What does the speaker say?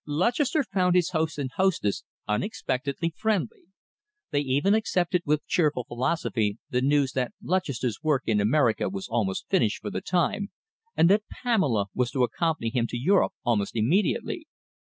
Lutchester found his host and hostess unexpectedly friendly. They even accepted with cheerful philosophy the news that Lutchester's work in America was almost finished for the time, and that Pamela was to accompany him to Europe almost immediately.